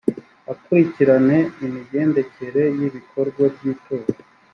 akurikirane imigendekere y ibikorwa by itora